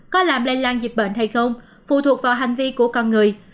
có làm lây lan dịch bệnh hay không phụ thuộc vào hành vi của con người